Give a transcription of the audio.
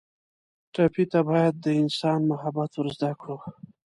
ټپي ته باید د انسان محبت ور زده کړو.